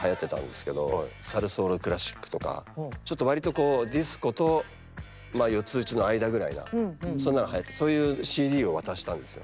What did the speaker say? サルソウルクラシックとかちょっと割とディスコと４つ打ちの間ぐらいなそんなのがはやってそういうＣＤを渡したんですよ。